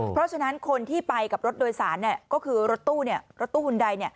เพราะฉะนั้นคนที่ไปกับรถโดยสารก็คือรถตู้รถตู้หุ่นใด